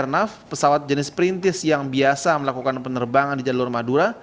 airnav pesawat jenis perintis yang biasa melakukan penerbangan di jalur madura